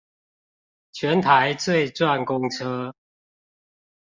全台最賺公車